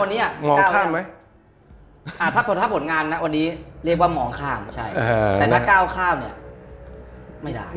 วันนี้มองก้าวข้ามไหมถ้าผลงานนะวันนี้เรียกว่ามองข้ามใช่แต่ถ้าก้าวข้ามเนี่ยไม่ได้